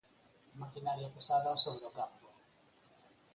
Maquinaria pesada sobre o campo.